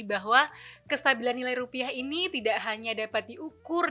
bahwa kestabilan nilai rupiah ini tidak hanya dapat diukur